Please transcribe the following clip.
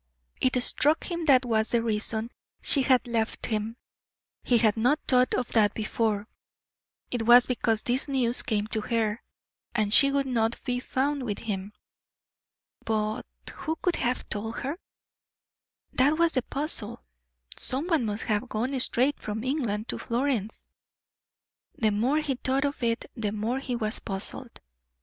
It struck him that was the reason she had left him; he had not thought of that before; it was because this news came to her, and she would not be found with him. But who could have told her? that was the puzzle. Some one must have gone straight from England to Florence. The more he thought of it the more he was puzzled.